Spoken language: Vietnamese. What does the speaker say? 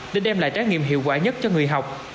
để đem lại trái nghiệm hiệu quả nhất cho người học